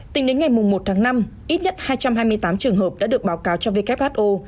tính đến ngày một tháng năm ít nhất hai trăm hai mươi tám trường hợp đã được báo cáo cho who